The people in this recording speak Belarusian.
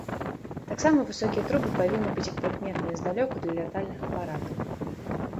Таксама высокія трубы павінны быць прыкметныя здалёку для лятальных апаратаў.